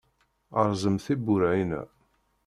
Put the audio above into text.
Rẓem tiwwura-inna!